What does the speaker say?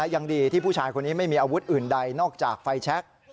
ยังดีที่ผู้ชายคนนี้ไม่มีอาวุธอื่นใดนอกจากไฟแชค